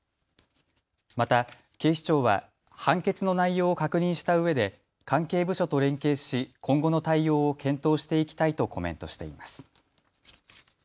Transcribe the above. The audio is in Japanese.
また警視庁は判決の内容を確認したうえで関係部署と連携し今後の対応を検討していきたいとコメントしています。